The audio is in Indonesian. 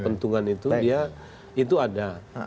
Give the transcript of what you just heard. pentungan itu itu ada